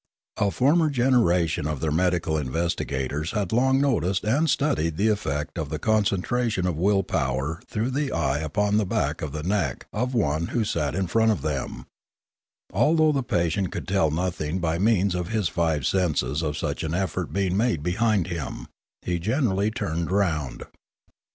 A former generation of their medical investigators had long noticed and studied the effect of the concentration of will power through the eye upon the back of the neck of one who sat in front of them; although the patient could tell nothing by means of his five senses of such an effort being made behind him, he generally turned round.